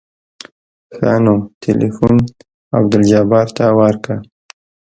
ښه نو ټېلفون عبدالجبار ته ورکه.